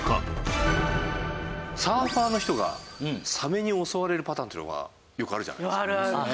サーファーの人がサメに襲われるパターンっていうのがよくあるじゃないですか。